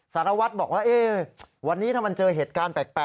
สารวัตรบอกว่าวันนี้ถ้ามันเจอเหตุการณ์แปลก